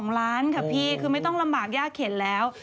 ๒ล้านค่ะพี่คือไม่ต้องลำบากยากเข็นแล้ว